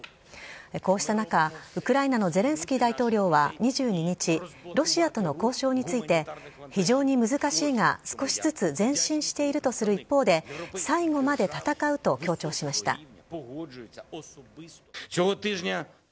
こうした中、ウクライナのゼレンスキー大統領は２２日、ロシアとの交渉について、非常に難しいが、少しずつ前進しているとする一方で、最後まで戦うと強調しました。